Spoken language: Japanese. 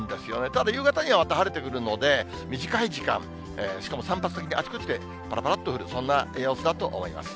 ただ夕方にはまた晴れてくるので、短い時間、しかも散発的にあちこちでぱらぱらっと降る、そんな様子だと思います。